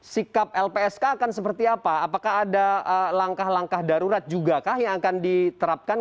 sikap lpsk akan seperti apa apakah ada langkah langkah darurat juga kah yang akan diterapkan